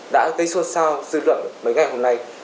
đã gây xuất sao dư luận mấy ngày hôm nay